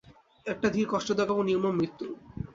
একটা ধীর, কষ্টদায়ক এবং নির্মম মৃত্যু।